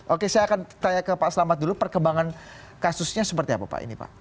oke saya akan tanya ke pak selamat dulu perkembangan kasusnya seperti apa pak ini pak